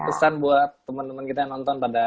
pesan buat temen temen kita yang nonton pada